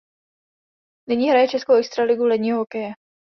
Nyní hraje českou Extraligu ledního hokeje.